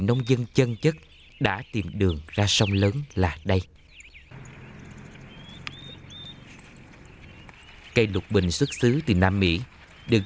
nông dân chân chất đã tìm đường ra sông lớn là đây à à ở cây lục bình xuất xứ từ nam mỹ được